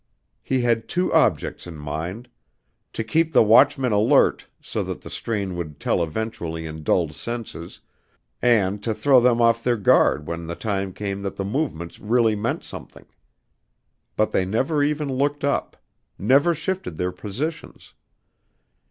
He had two objects in mind; to keep the watchmen alert so that the strain would tell eventually in dulled senses, and to throw them off their guard when the time came that the movements really meant something. But they never even looked up; never shifted their positions.